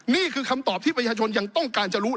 นี่คือคำตอบที่ประชาชนยังต้องการจะรู้